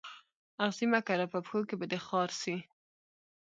آغزي مه کره په پښو کي به دي خار سي